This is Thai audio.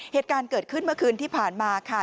เหตุการณ์เกิดขึ้นเมื่อคืนที่ผ่านมาค่ะ